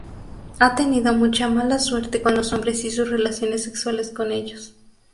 Ha tenido mucha mala suerte con los hombres y sus relaciones sexuales con ellos.